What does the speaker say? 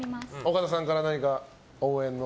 岡田さんから何か応援の。